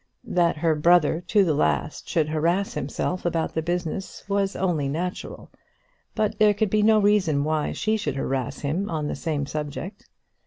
That her brother to the last should harass himself about the business was only natural; but there could be no reason why she should harass him on the same subject.